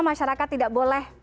masyarakat tidak boleh